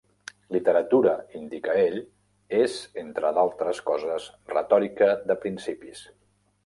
"Literatura", indica ell, "és, entre d'altres coses, retòrica de principis".